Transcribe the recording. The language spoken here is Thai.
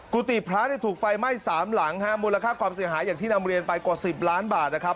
กุฏิพระเนี่ยถูกไฟไหม้สามหลังฮะมูลค่าความเสียหายอย่างที่นำเรียนไปกว่า๑๐ล้านบาทนะครับ